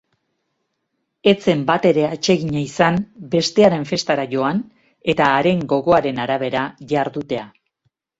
Ez zen batere atsegina izan bestearen festara joan eta haren gogoaren arabera jardutea.